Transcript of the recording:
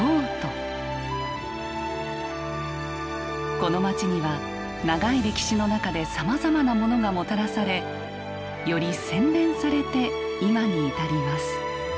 この街には長い歴史の中でさまざまなモノがもたらされより洗練されて今に至ります。